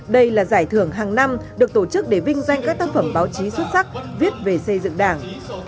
đây là giải thưởng hàng năm được tổ chức để vinh danh các tác phẩm báo chí xuất sắc viết về xây dựng đảng